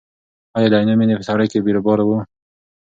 ایا د عینومېنې په سړک کې بیروبار و؟